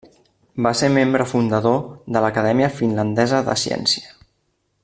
Va ser membre fundador de l’Acadèmia Finlandesa de Ciència.